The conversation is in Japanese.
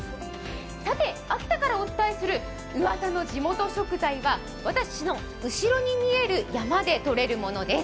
秋田からお伝えするウワサの地元食材は私の後ろに見える山でとれるものです。